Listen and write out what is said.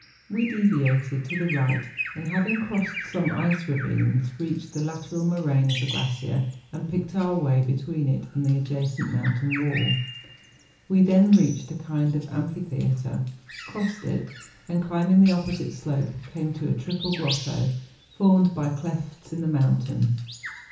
We deviated to the right, and having crossed some ice ravines, reached the lateral moraine of the glacier, and picked our way between it and the adjacent mountain wall. We then reached a 36 MOUNTAIN ADVENTURES. kind of amphitheatre, crossed it, and, climbing the opposite slope, came to a triple grotto, formed by clefts in the mountains.